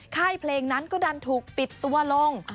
ค่ายเพลงนั้นก็ดันถูกปิดตัวลง